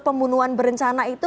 pemunuhan berencana itu